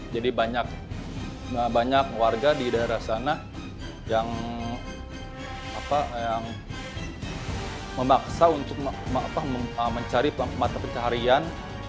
jadi banyak warga di daerah sana yang memaksa untuk mencari mata pencaharian